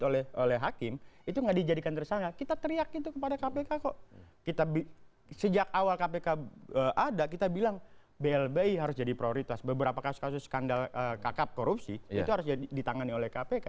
oleh hakim itu nggak dijadikan tersangka kita teriak itu kepada kpk kok kita sejak awal kpk ada kita bilang blbi harus jadi prioritas beberapa kasus kasus skandal kakap korupsi itu harus ditangani oleh kpk